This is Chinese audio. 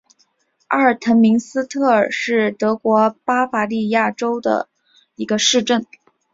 阿尔滕明斯特尔是德国巴伐利亚州的一个市镇。